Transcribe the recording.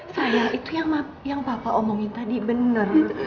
sayang itu yang papa omongin tadi benar